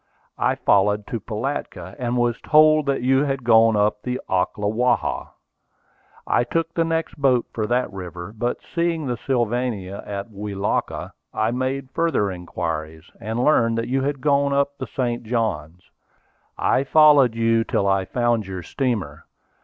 I followed to Pilatka, and was told that you had gone up the Ocklawaha. I took the next boat for that river, but seeing the Sylvania at Welaka, I made further inquiries, and learned that you had gone up the St. Johns. I followed you till I found your steamer.